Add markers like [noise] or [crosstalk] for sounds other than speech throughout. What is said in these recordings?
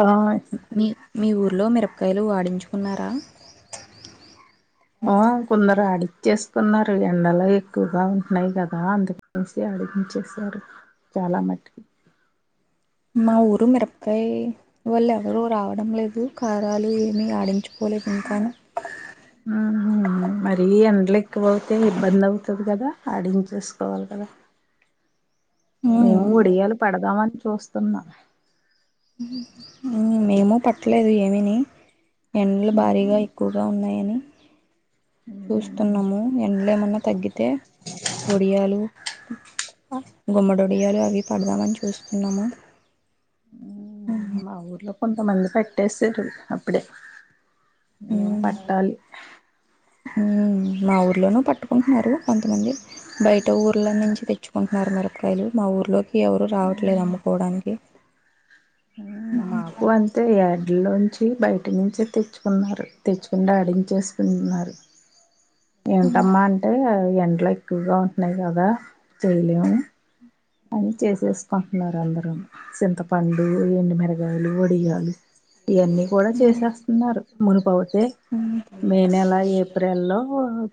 ఆ మీ మీ ఊరిలో మిరపకాయలు వాడించుకున్నారా? ఆ కుందరు ఆడి చేసుకున్నారు ఎండలు ఎక్కువగా ఉంటున్నాయి కదా అందుకేసి అడిగించేశారు చాలా మటుకి మా ఊరు మిరపకాయ వాళ్ళు ఎవరు రావడం లేదు. కారాలు ఏమి ఆడించు ఉహు. మరీ ఎండలు ఎక్కువ అవుతే ఇబ్బంది అవుత కదా ఆడించేసుకోవాలి కదా. ఉమ్, మేము ఒడియలు పెడదామని చూస్ తున్నా. మేము పట్టలేదు ఏమి ని ఎండ్లు భారీగా ఎక్కువగా ఉన్నాయ్ ఉ చూస్తున్నాము ఎండ్లు ఏమన్నా తగ్గితే ఒడియాలు హా గుమ్మడి ఒడియలు అవి పడదామని చూస్తున్నాము. ఊ మా ఊర్లో కొంతమంది పెట్టేసారు అప్పుడే మేము ఉమ్, పట్టాలి ఇలోనూ పట్టుకుంటున్నారు కొంతమంది బయట ఊర్ల నుంచి తెచ్చుకున్ నర్ మిరకాయలు మా ఊర్లోక్ ఎవరు రావట్లేదు అమ్ముకోవడానికి ఉ మాకు అంతే ఎడ్లోంచి టి బయట నుంచే తెచ్చుకున్నారు, తెచ్చుకుని అడించేస్తున్నారు ఏంటమ్మా అంటే ఎండ్లో ఎక్కువగా ఉంటున్నాయి కదా చేయలేము. అని చేసేసుకుంటున్నారు అందరు చింతపండు ఎండుమిరగాయలు వడియాలు ఇవన్నీ కూడా చేసేస్తన్నారు మునుపౌతే మే నెలా ఏప్రిల్ లో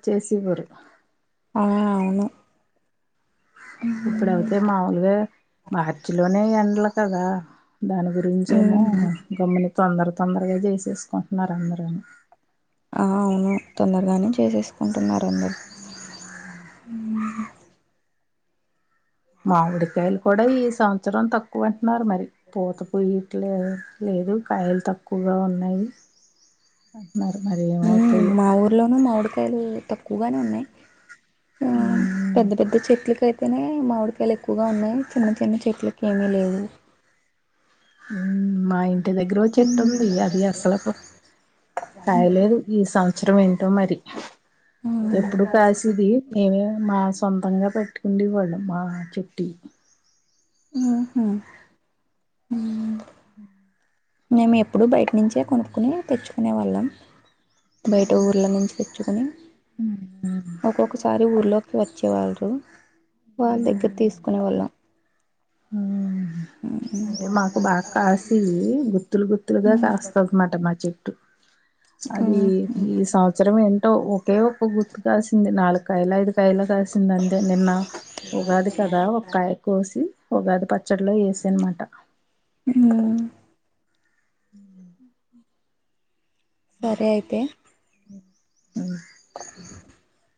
చేసి ఇవ్వరు ను ఇప్పుడౌవతే మాములుగా మార్చి లోనే ఎండ్ల తదా దాని గురించి ఏమో మ్మ్ గమని తొందర్ తొందరగా చేసేసుకుట్నారు అందరు ఆ అవును తొందరగానే చేసేసుకుంటున్నారు అందరు ఆ మామిడికాయలు కూడా ఈ సంవత్సరం తక్ క్వాన్ ఉన్నారు మరి పోత పోయిట్లే లేదు కాయల్ తక్కువగా ఉన్నాయి ఆ ఉ మా ఊర్లోను మామిడిక్ తెలు తక్కువగానే ఉన్నాయ్ ఆ పెద్ద పెద్ద చెట్లుకై అయితేనే మామిడికాయలు ఎక్కువగా ఉన్నాయ్, చిన్న చిన్న చెట్లలకి ఏమీ లేవు. ఉ మై ఇంటి దగ్గర ఓ చెట్టు ఉంది అది అసలు క కాయలేదు ఈ సంవత్సరం ఏంటో మరి. మ్మ్ ఎప్పుడు కాసిది నేనేమే మా సొంతంగా పెట్టుకుండే వాళ్ళం మా చెట్టుయి ఊహు [inaudible] మేము ఎప్పుడూ బయట్నించే కొనుక్కునే తెచ్చుకునే వాళ్ళం బయట ఊర్ళ నుంచి తెచ్చుకొని ఒక్కొక్కసారి ఊర్లోకి వ చ్చె వాల్ రు వాళ్దగ్గర్ తీసుకునే వాళ్ళం హా అదే మాకు బా కాసేయి గు త్తులు గుత్తులుగా మ్మ్ కాస్తన్నమాట మా చెట్టు అదీ మ్మ్ ఈ సంవత్సరం లో ఒకే ఒక్క గుత్తు కాసింది నాలుక్కాయలు ఐదు కాయలు కాస్ సిందింతే నిన్న ఉగాది కదా ఒక్కాయ కోసి ఉగాది పచ్చడిలో ఏసన్మాట ఇంగా [inaudible] [inaudible] అయితే [unintelligible] [inaudible]